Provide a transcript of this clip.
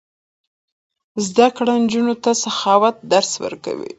زده کړه نجونو ته د سخاوت درس ورکوي.